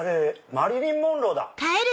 マリリン・モンローだ！